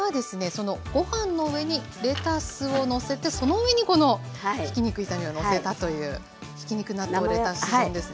そのご飯の上にレタスをのせてその上にこのひき肉炒めをのせたというひき肉納豆レタス丼ですね。